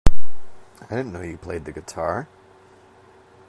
I didn't know you played the guitar!